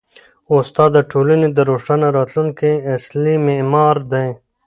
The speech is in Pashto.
استاد د ټولني د روښانه راتلونکي اصلي معمار دی.